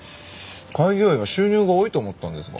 開業医は収入が多いと思ったんですが。